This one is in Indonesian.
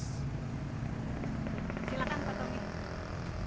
silahkan pak tommy